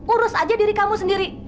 urus aja diri kamu sendiri